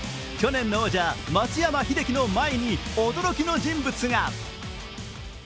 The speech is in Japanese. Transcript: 去年の王者、松山英樹の前に驚きの人物が。